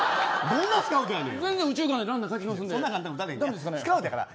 どんなスカウトやねん。